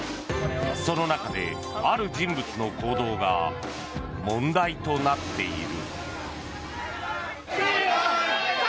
その中で、ある人物の行動が問題となっている。